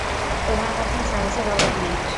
তোমার মধ্যে সাহসের অভাব নেই।